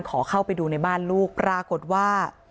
ขอเข้าไปดูในบ้านลูกปรากฏว่า